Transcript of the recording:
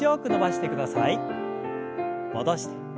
戻して。